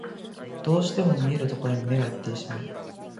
どうしても見えるところに目がいってしまう